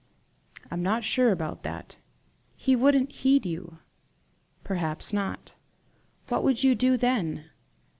"I'm not sure about that." "He wouldn't heed you." "Perhaps not." "What would you do then?"